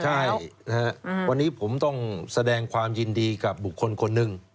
ใช่นะฮะวันนี้ผมต้องแสดงความยินดีกับบุคคลคนหนึ่ง